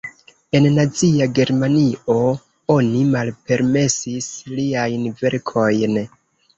En Nazia Germanio oni malpermesis liajn verkojn.